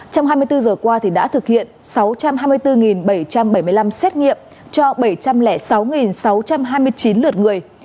trong hai mươi bốn giờ qua đã thực hiện sáu trăm hai mươi bốn bảy trăm bảy mươi năm xét nghiệm cho bảy trăm linh sáu sáu trăm hai mươi chín lượt người